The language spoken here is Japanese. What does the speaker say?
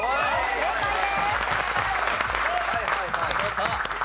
正解です。